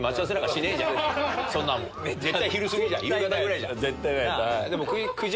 絶対昼すぎじゃん夕方ぐらいじゃん。